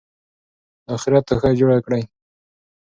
د آخرت توښه جوړه کړئ.